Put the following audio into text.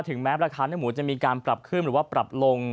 แม้ราคาเนื้อหมูจะมีการปรับขึ้นหรือว่าปรับลง